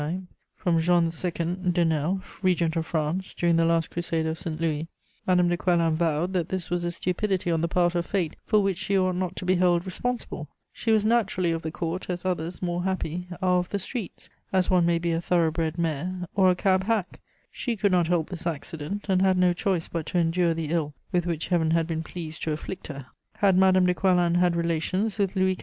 from Jean II. de Nesle, Regent of France during the last crusade of St. Louis, Madame de Coislin vowed that this was a stupidity on the part of fate for which she ought not to be held responsible; she was naturally of the Court, as others, more happy, are of the streets, as one may be a thorough bred mare or a cab hack: she could not help this accident, and had no choice but to endure the ill with which Heaven had been pleased to afflict her. Had Madame de Coislin had relations with Louis XV.?